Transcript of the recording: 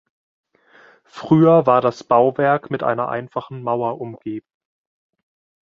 Früher war das Bauwerk mit einer einfachen Mauer umgeben.